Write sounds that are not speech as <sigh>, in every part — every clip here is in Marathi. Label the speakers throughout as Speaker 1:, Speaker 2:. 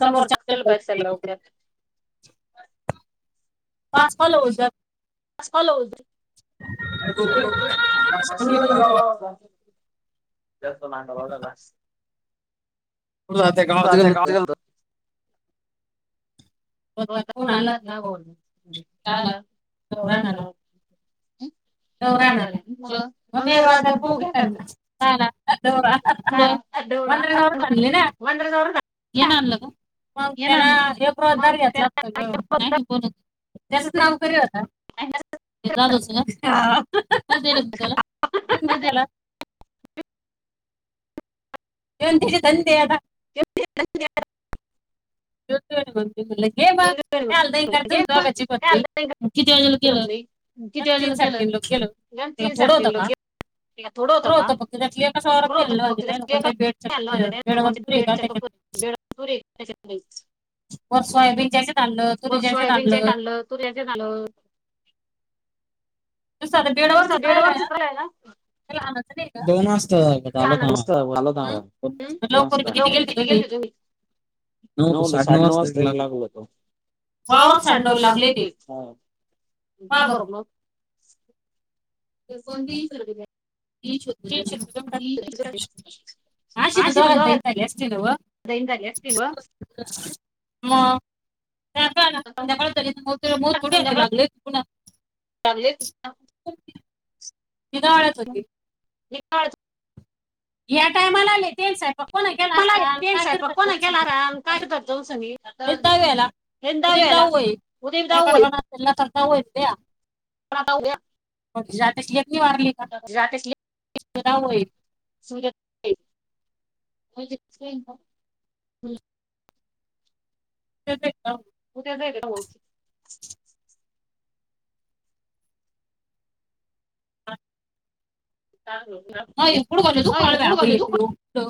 Speaker 1: समोरच्या चांल. पाच फल होऊजात.
Speaker 2: सगऽ बास.
Speaker 1: त्या गावात गेलोहोतो.
Speaker 2: होताग ना बोल कायला पोरांना. दवरार वा पू घ्या ताना.
Speaker 1: हा ना. गुरं जनावरं आणली ना, येन आणलं का? मग त्यांला एक रोजदार घेतला असत ग बोलत त्याचच नाव करीत होता, ते जात नाऽ. हला,, घेऊन बठाला. येन धंदे आता.
Speaker 2: हह.
Speaker 1: ज घे मघल कागाची बली. मग किती वाजेला गेलं तीन साडे तीन लोक केलं.
Speaker 2: मॅम, तीन साडे तीन लोके. थोड होत का थोड होत. <unintelligible> वर सोयाबीन जे काढलं,, तू त्याच झाल.
Speaker 1: ध बेडावरचच राहिलानाच दोन <unintelligible>
Speaker 2: किती गेल तुम्ही <unintelligible> नवलो साडे नऊ वाजता लागलोत. वावरच साडेनऊ ला लागले ते का बर मग ते कोणतीही कर.
Speaker 1: तेच
Speaker 2: ह.
Speaker 1: आशि‌पन दोघता यथले अस असतलव ह. त्या म थे लागले. <unintelligible>
Speaker 2: चांगला आहे ते.
Speaker 1: तिना वळ्याच होली.
Speaker 2: ठ <unintelligible>
Speaker 1: या टायमालालेटेल साहेब.
Speaker 2: मला ये साहे पप कोण केला राम काय करतात तोोलस म
Speaker 1: नाही जाऊ याला के जाऊई अस कर होईल ते.
Speaker 2: <unintelligible>
Speaker 1: ाताची लेली वाारली.
Speaker 2: <unintelligible> <unintelligible>
Speaker 1: <unintelligible>
Speaker 2: म ते एकऊच. चाल.
Speaker 1: ह एपूड कोण तु फळ बाबल.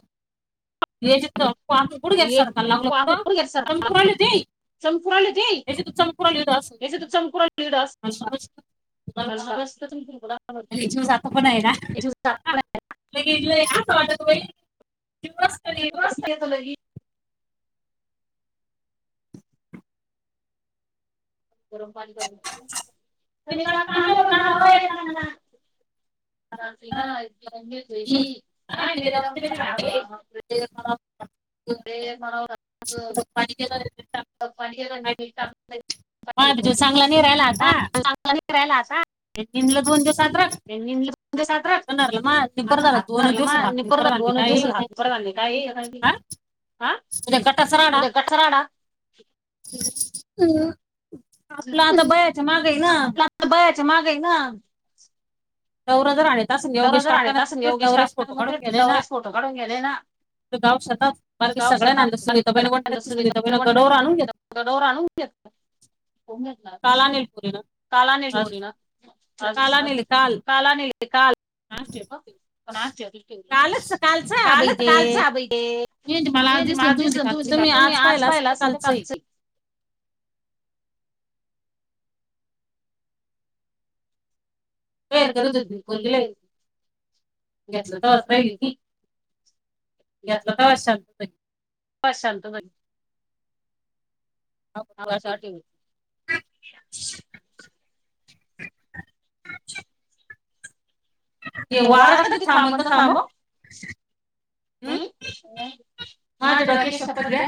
Speaker 1: येचो आतण कड गेल असळ कल्लांग लक तो तुम कुराळ हो तेई.
Speaker 2: चकुराले ते याच तू संपुराला लिडस. झा तु
Speaker 1: मग इ या ट व
Speaker 2: तेवचतलं ही. गरम पाणी कर तर मी का तंब्यावर गाणव आहे त्यांना. रा ना का म द फरी भाग.
Speaker 1: ते <unintelligible>
Speaker 2: ते म मा
Speaker 1: पाणी केला.
Speaker 2: <unintelligible> म क राहियला.
Speaker 1: ते तीन ला दोन ते सात राख.
Speaker 2: <unintelligible> दोन दिस हात असं हातला म निबर जात दोन दिवसात हात पर काही काही. <inaudible>
Speaker 1: त कट सराड हम. आपलं आता बयाच्या माग आहे ना.
Speaker 2: बच मागे ना.
Speaker 1: दौर जर आण त अस योगेश काकाना त ते दौऱ्यास फोटो काढून गेले ना. गाव शछतात बाकी सगळ्या आणलं सुनीताबाहिण म्हणातची सुनीता बहिनं गडोवर आणून घेत.
Speaker 2: डोर आणूनेत. हो.
Speaker 1: कालानेल पुरेला.
Speaker 2: काला नाही पोरी ना काला नाही काल. ना कालच कालचहाबे न माझज. ु का तुम्ही आज पाहिला असल तर कालच.
Speaker 1: वर करूला घलं तस राहिली ती. यातला प्रवा चालत त
Speaker 2: बसंत.
Speaker 1: हा.
Speaker 2: अ <unintelligible>
Speaker 1: ते वारं कधी थांबत थांब.
Speaker 2: हम्.
Speaker 1: हाजे राडकेशपत्रे.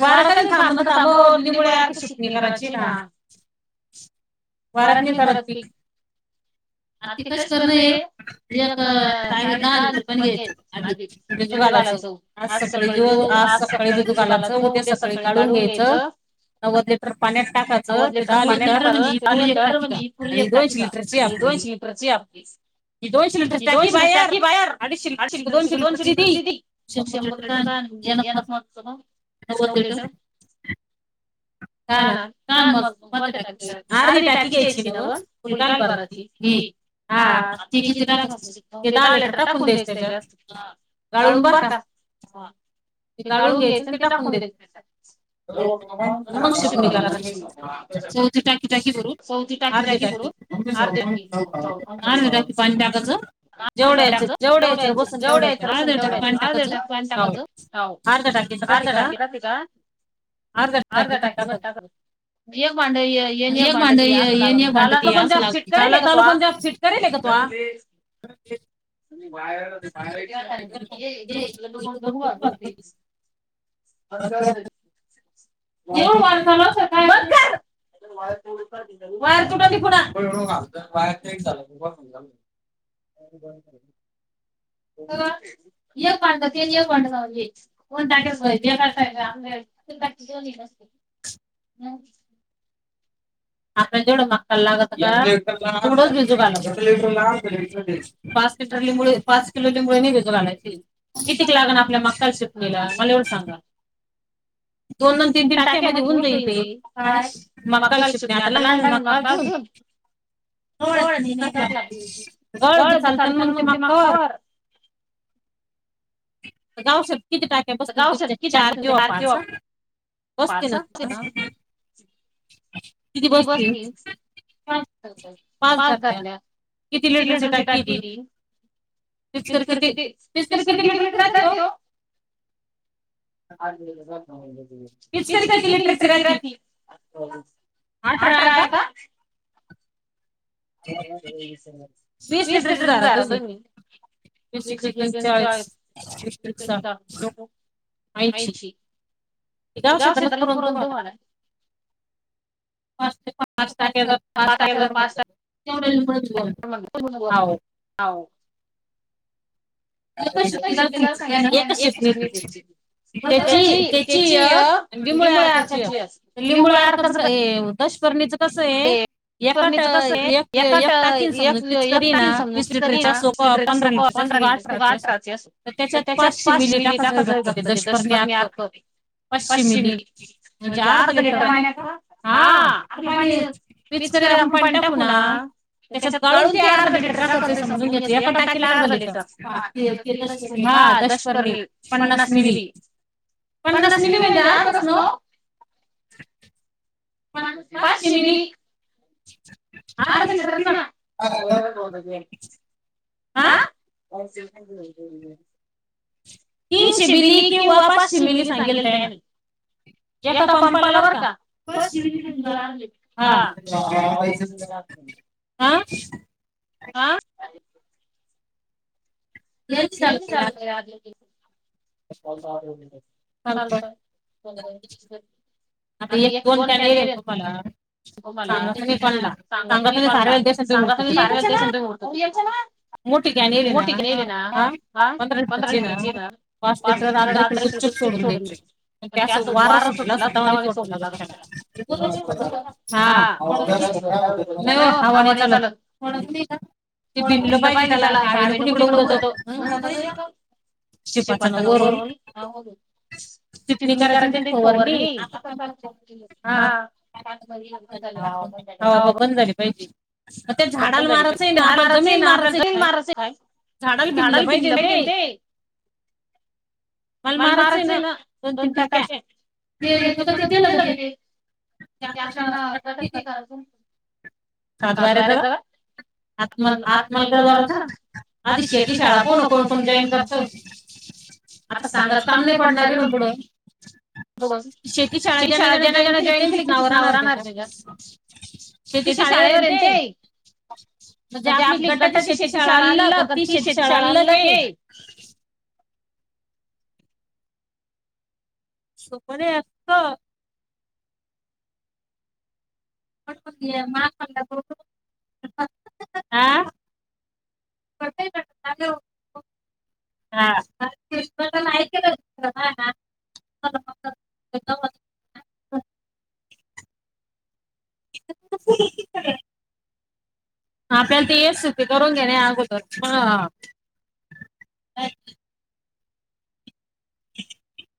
Speaker 1: वार का नाही थांबणता थांबमुळेर का सुटणी करायची ना. वारात नाही करत. आ ते कस करणं एक म्हणजे <unintelligible> पण घ्यायचं आधी भिजू घालाचं आज सकाळी दिव आज सकाळी भिजूघालायचं उद्या सकाळी काढून घ्यायचं
Speaker 2: नव्वद लिटर पाण्यात टाकायच नव्वद लिटर म्हणजी पुर्ण एक टाकीे का? दोनशी लि रची आपली
Speaker 1: दोनशे लिटरती टाकीय बाहेर अडीचशे लिटर दोनशे लिटरचिय ती शंभर लिटर कायानं ह्यान नव्वद लिटर काहं ना काहं न म कोणत्या टाकीत आर्धी टाकी घ्यायची नव्हं फुल काहला भराची हा ते किती टाकाच? ते दहा लिटर टाकून द्यायच त्याच्यात गाळून बरं का
Speaker 2: हा ते गाळून घ्यायचं आणि ते टाकून देयच त्याच्यात आण मग शिपनी कराची
Speaker 1: ह <unintelligible> टाकी टाकी भरून अर्धी टाकी अर्धी टाकी पाणी टाकाचं? जेवढ्या याच्यात जेवढ्या याच्यात बसन तेवढ्या याच्यात अर्धी टाकी पाणी टाकू टाकाचं हाव अर्ध्या टाकीत राहती का?
Speaker 2: आर्ध्या टाकिमधी टाकाच एक भांड हे आण एक भांड
Speaker 1: एक भांड ये आण एक भांड ते अस लावती का चाल चाल पण त्यात फिट करेल का त्वा?
Speaker 2: <unintelligible> <inaudible> <unintelligible> <inaudible> प म न होती अंगा ती <unintelligible> बंद कर वायर तुटल ती पुना वायर कट झालं तरच <unintelligible> ब <unintelligible> हां एक भांड ते अन एक भांड कोण टाके चय <unintelligible> आपल्याला दुपारचं जेऊन येत असतो हं आपल्याला जेवढं मापट्याला लागत तेवढंच भिजू घालाचं पाच लिटर लिंबूळी पाच किलो लिंबूळी निघीतुन आणायची कितीक लागण आपल्या मकाला? मकईली मला एवढं सांगा?
Speaker 1: दोन दोन तीन तीन आश्या मधे होऊन जाईल ते काय मकाला शिपल्या आता लागला ना मका? <unintelligible> <unintelligible> चालतना मग ते मकावर गावश्यात किती टाक्या बसतील तुमच्या चार किंवा पाच हा बसताना किती बसतील?
Speaker 2: <inaudible> पाच धरल्यात किती लिटरची टाकीय ती? पिचकर किती, पिचकर किती लिटरच राहती ओ? अं, आणलेलं दाखऊन येऊ देत. पिचकारी किती लिटरची राहती आठराय का? वीस लिटरची धरा तुम्ही वीस अन <unintelligible> चार ऐंशी
Speaker 1: एवश्या शेतालाच पुरल तुम्हाला पाच टाक्या <unintelligible> जातात पाच टाक्या धर म्हटलं तेवढ्यालाच पडती <unintelligible> हाव
Speaker 2: हाव
Speaker 1: एकच शिपटी राहती ना त्यान एकच शिपनी <unintelligible> त्याची, त्याची एक आण लिंबाच्या अरकाची एक लिंबळ्या अरकाचं हे दशफर्णीचं कसंय? एकात एक, एक टाकीय समजा पीचकारीय ना वीस लिटरची असो का पंधरा लिटरची का असो आठ तारचेस, त्याच्यात पाचशे मिली टाकायच फक्त ते दशफणीं आसो. पाचशे मिली म्हणजे अर्धा लिटर पाण्यात का? हां ते पाणी पिचकरी आपण पाणी टाकू नां? त्याच्यात गाळून ते अर्धा लिटर टाकाचं समजून घ्यायचे, एका टाकीला अर्धा लिटर ते हा दशपर्णी हा, पन्नास मिली. पन्नास मिली म्हणजे अर्धाच नाहो.
Speaker 2: पाचं, पाचशे मिली.
Speaker 1: <inaudible>
Speaker 2: अर्धा लिटरच नां. आं.. <unintelligible>
Speaker 1: तीनशे मिली किंवा पाचशे मिली सांगेल त्यांना. एका पंपाला बरं का, हां. आं.
Speaker 2: आं. यांनी चालू केले आधी बी <unintelligible> <unintelligible>
Speaker 1: आता एक दोन कॅरेट येईल पप्पाला. सांगालतो मी तुम्हाला सांगालतो सारे उद्देश येतोय म्हणून, हे कशालां. मोठे कॅन नेली ना, आं पंधरा लिटर चे ना. पाच लिटर तर गुप चुप सोडून द्यायचे. ते असं वार सुटलेलं असतं तेव्हा नाही सोडायचं. आला बघ शाना. हा, नाही वो हवा नाही ओ चालतं. ते बिनलं पाहिजे त्याला हावेन कुणीकडे तिकडं उडत जाऊ, <unintelligible> शिपांच न वरून, टिपणी करायची निट फवारणी आता
Speaker 2: हां, हों.
Speaker 1: बंद झाली पाहिजे.
Speaker 2: बंद झाली पाहिजे, चार मारायचं आहे ना आपल्याला फेरी मारायचं. काय.. झाडाला गिनल पाहिजे तें. मला मारायचं आहे ना दोन तीन टाके, जेल. प्रगतीलं ना तर ते आपल्याना प्रगती करायचं.
Speaker 1: कातवाडे कड. आत्म, आतमगल झाल खरं, आभिशेक ची शाळा कोण, कोण, कोण जॉईन करतो. आता सांगाच काम नाही पडणार इथुन पुढं.
Speaker 2: हो बाजूनं.
Speaker 1: शेती शाळेत ज्यांना ज्यांना जॉईन केली त्यांचीच नाव राहणार का काय. शेती शाळेवर आहेत तें. म्हणजे, आपली गटाची शेतीशाळा आलग तर ती शेतीशाळा आलगय सोपर असत आ <unintelligible> आपल्याला ते एस, सोपी करून घेणे अगोदर, मग.. <inaudible>